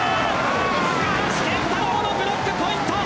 高橋健太郎のブロックポイント！